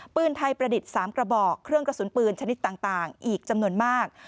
ปืนไทยประดิษฐ์๓กระบอกเครื่องกระสุนปืนชนิดต่างอีกจำนวนมาก